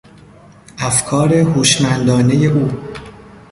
افکار هوشمندانهی او